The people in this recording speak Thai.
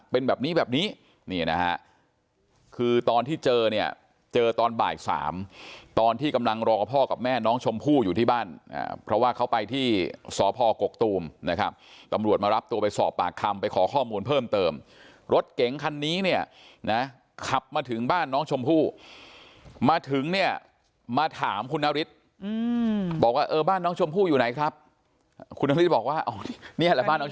เป็นแบบนี้แบบนี้นี่นะฮะคือตอนที่เจอเนี่ยเจอตอนบ่ายสามตอนที่กำลังรอพ่อกับแม่น้องชมพู่อยู่ที่บ้านเพราะว่าเขาไปที่สพกกตูมนะครับตำรวจมารับตัวไปสอบปากคำไปขอข้อมูลเพิ่มเติมรถเก๋งคันนี้เนี่ยนะขับมาถึงบ้านน้องชมพู่มาถึงเนี่ยมาถามคุณนฤทธิ์บอกว่าเออบ้านน้องชมพู่อยู่ไหนครับคุณนฤทธิบอกว่าเนี่ยบ้านน้อง